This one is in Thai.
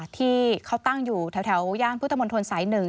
ที่เขาตั้งอยู่แถวย่างพุทธมนต์ธนศัยหนึ่ง